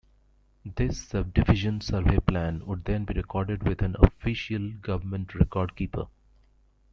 This subdivision survey plan would then be recorded with an official government record keeper.